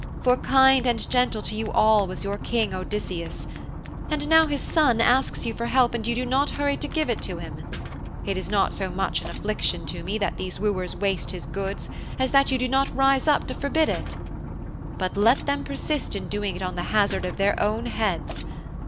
For kind and gentle to you all was your King, Odysseus. And now his son asks you for help and you do not hurry to give it him. It is not so much an affliction to me that these wooers waste his goods as that you do not rise up to forbid it. But let them persist in doing it on the hazard of their own heads.